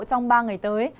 trong ba ngày tới